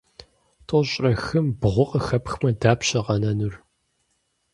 Тӏощӏрэ хым бгъу къыхэпхмэ, дапщэ къэнэнур?